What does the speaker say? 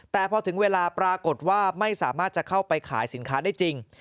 แต่พอถึงเวลาปรากฏว่าไม่สามารถจะเข้าไปขายสินค้าได้จริง